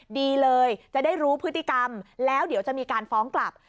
ดีเลยจะได้รู้พฤติกรรมแล้วเดี๋ยวจะมีการฟ้องกลับ